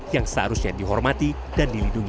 yang seharusnya dihormati dan dilindungi